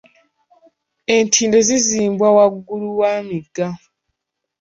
Entindo zizimbwa waggulu wa migga.